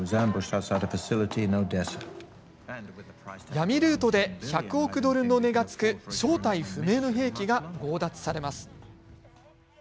闇ルートで１００億ドルの値がつく正体不明の兵器が強奪されます。